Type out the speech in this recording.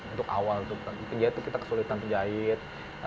untuk awal untuk penjahit itu kita kesulitan penjahit